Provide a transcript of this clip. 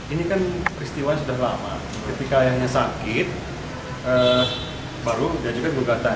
ini peristiwa sudah lama ketika ayahnya sakit baru dia juga digugatan